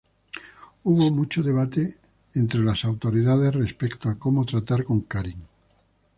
Hubo mucho debate entre las autoridades respecto a cómo tratar con Karin.